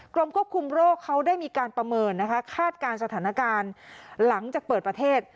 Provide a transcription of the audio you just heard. กรมควบคุมโรคเขาได้มีการประเมินนะคะคาดการณ์สถานการณ์หลังจากเปิดประเทศ